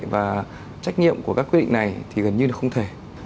và trách nhiệm của các quyết định này thì gần như là không thể